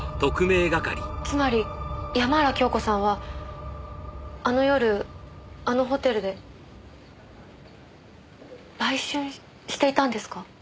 つまり山原京子さんはあの夜あのホテルで売春していたんですか？